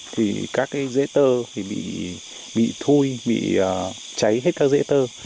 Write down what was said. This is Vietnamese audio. thì các cái dễ tơ thì bị thui bị cháy hết các dễ tơ